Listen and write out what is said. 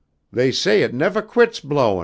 They say it nevah quits blowin'."